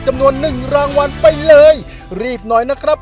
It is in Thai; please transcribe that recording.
จำนวนหนึ่งรางวัลไปเลยรีบหน่อยนะครับ